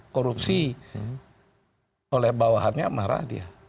korupsi oleh bawahannya marah dia